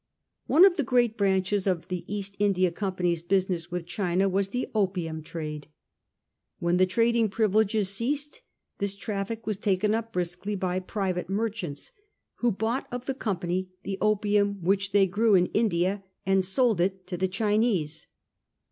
One of the great branches of the East India Company's business with China was the opium trade. When the trading privileges ceased this traffic was taken up briskly by private merchants, who bought of the Company the opium which they grew in India and sold it to the Chinese.